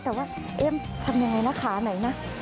แต่ว่าเอ๊ะทำยังไงนะขาไหนนะ